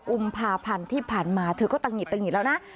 ๒๖อุมภาพันธ์ที่ผ่านมาเธอก็ตังหยิดแล้วนะ